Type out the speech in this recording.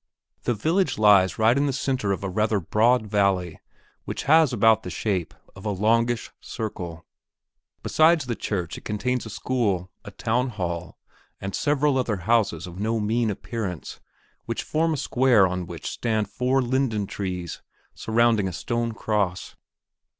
The village lies right in the centre of a rather broad valley which has about the shape of a longish circle. Besides the church it contains a school, a townhall, and several other houses of no mean appearance, which form a square on which stand four linden trees surrounding a stone cross.